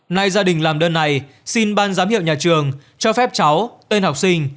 nay gia đình làm đơn này xin ban giám hiệu nhà trường cho phép cháu tên học sinh